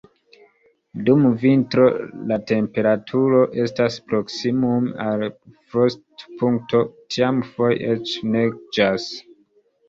Dum vintro la temperaturo estas proksimume al frostopunkto, tiam foje eĉ neĝas.